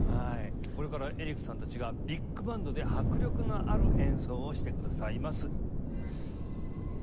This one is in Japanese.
これからエリックさんたちがビッグバンドで迫力のある演奏をしてくださいます。